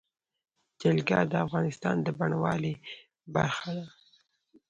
جلګه د افغانستان د بڼوالۍ برخه ده.